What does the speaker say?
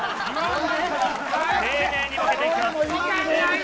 丁寧にボケていきます。